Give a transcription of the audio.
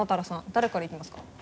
誰から行きますか？